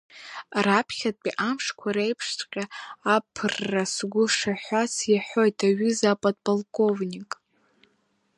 Раԥхьатәи амшқәа реиԥшҵәҟьа, аԥырра сгәы шаҳәац-иаҳәоит, аҩыза аподполковник!